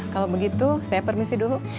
kalau begitu saya permisi dulu